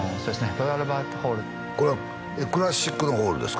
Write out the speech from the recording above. ロイヤルアルバートホールこれはクラシックのホールですか？